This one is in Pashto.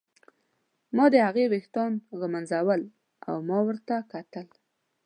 ما د هغې ویښتان ږمونځول او ما ورته کتل.